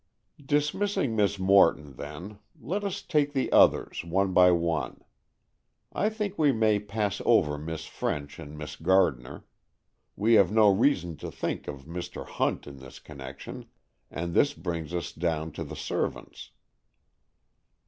"Dismissing Miss Morton, then, let us take the others, one by one. I think we may pass over Miss French and Miss Gardner. We have no reason to think of Mr. Hunt in this connection, and this brings us down to the servants."